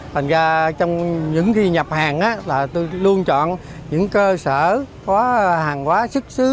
thành ra trong những khi nhập hàng tôi luôn chọn những cơ sở có hàng quá sức xứ